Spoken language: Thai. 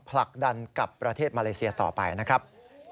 ผลักดันกับประเทศมาเลเซียต่อไปนะครับ